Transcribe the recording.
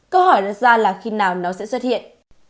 câu hỏi đặt ra là khi nào nó sẽ xuất hiện